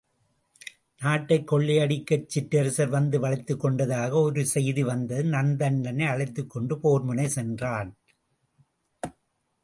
நாட்டைக் கொள்ளையடிக்கச் சிற்றரசர் வந்து வளைத்துக் கொண்டதாக ஒரு செய்தி வந்தது நந்தட்டனை அழைத்துக்கொண்டு போர்முனை சென்றான்.